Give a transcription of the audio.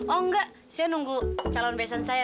oh enggak saya nunggu calon besan saya